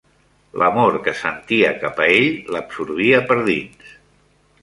L'amor que sentia cap a ell l'absorbia per dins.